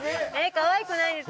かわいくないです。